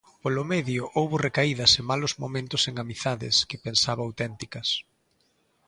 Polo medio houbo recaídas e malos momentos en amizades que pensaba auténticas.